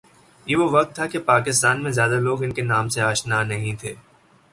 یہ وہ وقت تھا کہ پاکستان میں زیادہ لوگ ان کے نام سے آشنا نہیں تھے